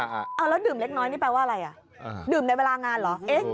เอาแล้วดื่มเล็กน้อยนี่แปลว่าอะไรอ่ะดื่มในเวลางานเหรอ